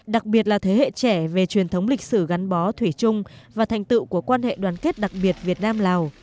đặc biệt là thế hệ trẻ về truyền thống lịch sử gắn bó thủy chung và thành tựu của quan hệ đoàn kết đặc biệt việt nam lào